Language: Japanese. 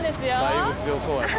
だいぶ強そうやな。